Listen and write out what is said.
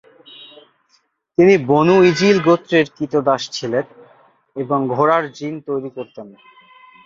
তিনি বনু ইজিল গোত্রের ক্রীতদাস ছিলেন এবং ঘোড়ার জিন তৈরী করতেন।